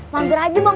mandir aja bang